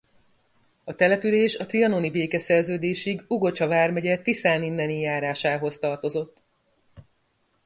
A település A trianoni békeszerződésig Ugocsa vármegye Tiszáninneni járásához tartozott.